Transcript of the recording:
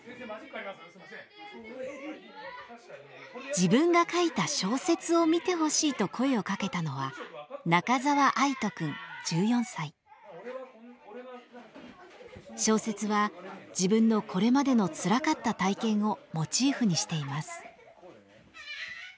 自分が書いた小説を見てほしいと声をかけたのは小説は自分のこれまでのつらかった体験をモチーフにしています。